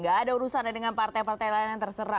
gak ada urusannya dengan partai partai lain yang terserah